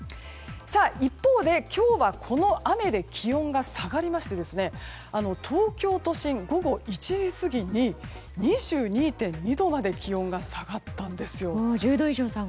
一方で今日はこの雨で気温が下がりまして東京都心、午後１時過ぎに２２．２度まで気温が下がったんですよ。